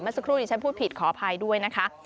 สักครู่ที่ฉันพูดผิดขออภัยด้วยนะคะ